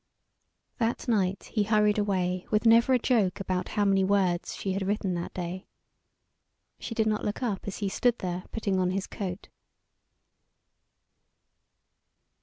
That night he hurried away with never a joke about how many words she had written that day. She did not look up as he stood there putting on his coat.